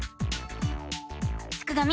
すくがミ